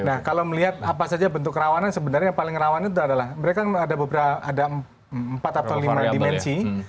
nah kalau melihat apa saja bentuk kerawanan sebenarnya yang paling rawan itu adalah mereka ada empat atau lima dimensi